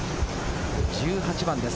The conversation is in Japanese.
１８番です。